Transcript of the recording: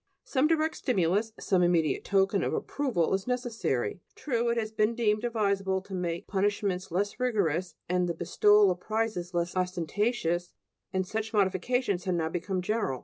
Some direct stimulus, some immediate token of approval, is necessary. True, it has been deemed advisable to make punishments less rigorous and the bestowal of prizes less ostentatious, and such modifications have now become general.